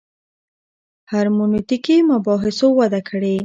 هرمنوتیکي مباحثو وده کړې.